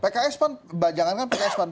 pks pan jangankan pks pan